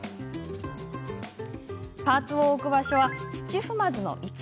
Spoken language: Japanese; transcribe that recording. パーツを置く場所は土踏まずの位置。